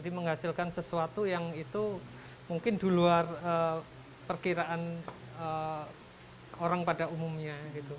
menghasilkan sesuatu yang itu mungkin di luar perkiraan orang pada umumnya